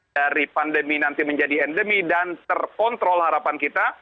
dari pandemi nanti menjadi endemi dan terkontrol harapan kita